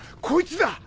こいつだ！